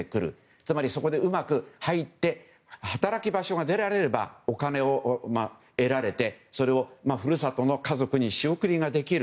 つまりそこでうまく入って働き場所が得られればお金を得られて、それを故郷の家族に仕送りできる。